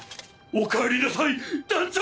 おかえりなさい団長！